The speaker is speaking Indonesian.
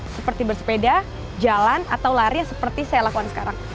seperti bersepeda jalan atau lari seperti saya lakukan sekarang